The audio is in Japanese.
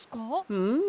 うん。